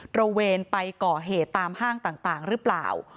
ระเวนไปก่อเหตุตามห้างต่างหรือเปล่า